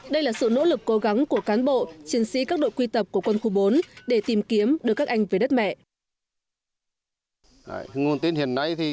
đây là sự nỗ lực cố gắng của cán bộ chiến sĩ các đội quy tập của quân khu bốn để tìm kiếm được các anh về đất mẹ